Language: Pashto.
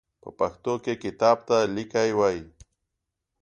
په پښتو کې کتاب ته ليکی وايي.